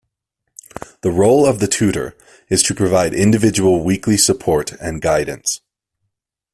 The role of the tutor is to provide individual weekly support and guidance.